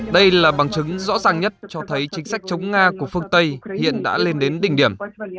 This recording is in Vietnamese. đây là bằng chứng rõ ràng nhất cho thấy chính sách chống nga của phương tây hiện đã lên đến đỉnh điểm